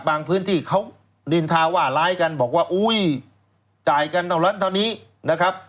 พื้นที่เขาลินทาว่าร้ายกันบอกว่าอุ้ยจ่ายกันเท่านั้นเท่านี้นะครับ